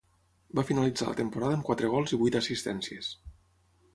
Va finalitzar la temporada amb quatre gols i vuit assistències.